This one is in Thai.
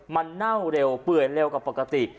มันเน่าเร็วเปื่อยเร็วกว่าปกติ